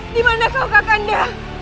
dimana kau kakanda